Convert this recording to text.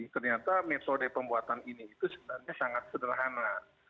ternyata metode pembuatan ini itu sebenarnya sangat sederhana